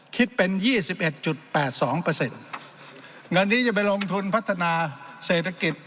คิดเป็นยี่สิบเอ็ดจุดแปดสองเปอร์เซ็นต์เงินที่จะไปลงทุนพัฒนาเศรษฐกิจ